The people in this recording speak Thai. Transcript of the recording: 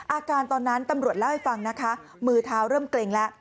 อาการตอนนั้นตำรวจเล่าให้ฟังนะคะมือเท้าเริ่มเกร็งแล้ว